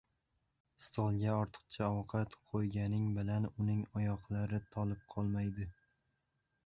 • Stolga ortiqcha ovqat qo‘yganing bilan uning oyoqlari tolib qolmaydi.